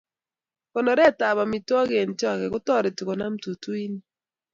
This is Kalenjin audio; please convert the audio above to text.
Kakonoret ab amitwogik eng' choge ko toreti komanam tutuinik